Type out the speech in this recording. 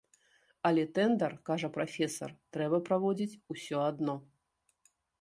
Але тэндэр, кажа прафесар, трэба праводзіць усё адно.